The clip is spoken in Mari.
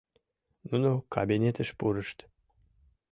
Нуно кабинетыш пурышт.